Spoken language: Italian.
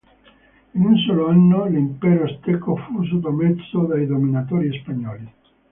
In un solo anno l'impero azteco fu sottomesso dai dominatori spagnoli.